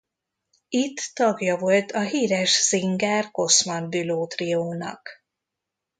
Itt tagja volt a híres Singer-Cossmann-Bülow triónak.